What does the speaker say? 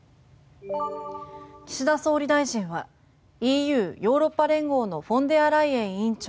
岸田総理大臣はＥＵ・ヨーロッパ連合のフォンデアライエン委員長